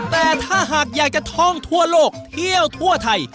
แต่ถ้าหากอยากจะท่องทั่วโลกเที่ยวทั่วไทย